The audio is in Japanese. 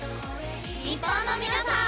日本の皆さん